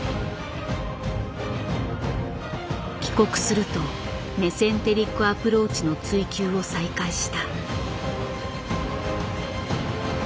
帰国すると「メセンテリック・アプローチ」の追求を再開した。